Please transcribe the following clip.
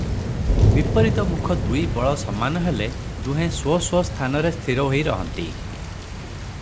ବିପରୀତମୁଖ ଦୁଇ ବଳ ସମାନ ହେଲେ ଦୁହେଁ ସ୍ୱ ସ୍ୱ ସ୍ଥାନରେ ସ୍ଥିର ହୋଇ ରହନ୍ତି ।